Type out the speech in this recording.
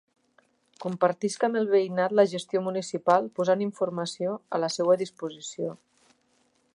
Compartisc amb el veïnat la gestió municipal posant informació a la seua disposició.